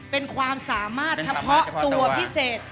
เป็นความสามารถเฉพาะตัวพิเศษ